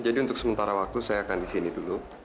jadi untuk sementara waktu saya akan disini dulu